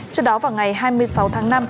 trước đó vào ngày hai mươi sáu tháng năm